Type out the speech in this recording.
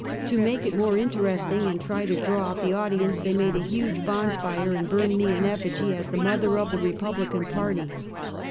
To make it more interesting and try to draw out the audience, they made a huge bonfire and burned me in Qf^gj as —" The mother of the Republican party."